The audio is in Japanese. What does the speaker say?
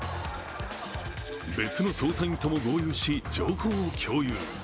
別の捜査員とも合流し、情報を共有。